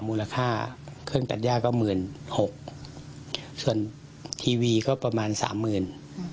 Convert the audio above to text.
มูลค่าเครื่องตัดย่าก็หมื่นหกส่วนทีวีก็ประมาณสามหมื่น